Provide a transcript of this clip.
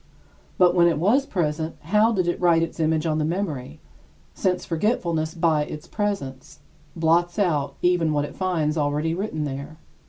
But when it was present, how did it write its image on the memory, since forgetfulness, by its presence, blots out even what it finds already written there?